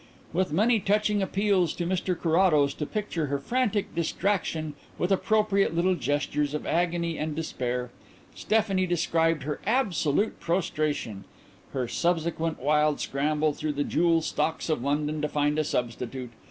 With many touching appeals to Mr Carrados to picture her frantic distraction, with appropriate little gestures of agony and despair, Stephanie described her absolute prostration, her subsequent wild scramble through the jewel stocks of London to find a substitute.